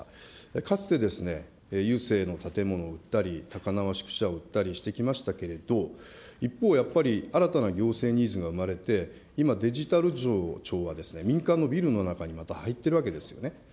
かつてですね、郵政の建物を売ったり、高輪宿舎を売ったりしてきましたけれども、一方、やっぱり新たな行政ニーズが生まれて、今、デジタル庁はですね、民間のビルの中にまた入っているわけですよね。